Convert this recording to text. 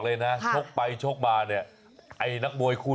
เราไม่ชกแล้วล่ะ